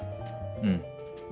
うん。